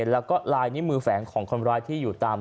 แล้วก็ลายนิ้วมือแฝงของคนร้ายที่อยู่ตาม